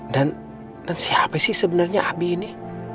dan siapa sih sebenarnya abi ini